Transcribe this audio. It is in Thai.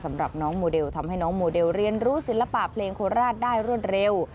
สำหรับน้องโมเดลทำให้น้องโมเดลเรียนรู้ศิลปะเพลงโคราชได้รวดเร็ว